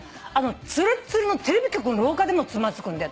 つるっつるのテレビ局の廊下でもつまずくんだよ